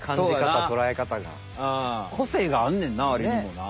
ああ個性があんねんなアリにもな。